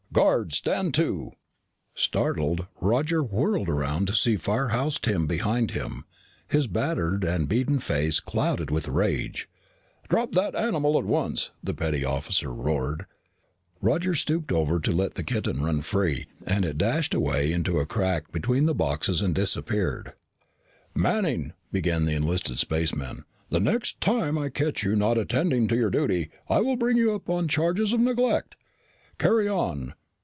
"Guard! Stand to!" Startled, Roger whirled around to see Firehouse Tim behind him, his battered and beaten face clouded with rage. "Drop that animal at once," the petty officer roared. Roger stooped over to let the kitten run free and it dashed away into a crack between the boxes and disappeared. "Manning," began the enlisted spaceman, "the next time I catch you not attending to your duty, I will bring you up on charges of neglect! Carry on!"